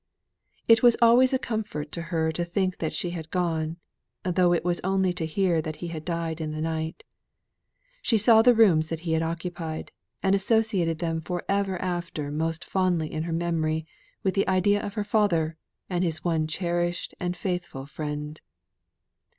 It was always a comfort to her to think that she had gone, though it was only to hear that he had died in the night. She saw the rooms that he had occupied, and associated them ever after most fondly in her memory with the idea of her father, and his one cherished and faithful friend.